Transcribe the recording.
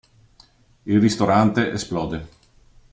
Il ristorante esplode.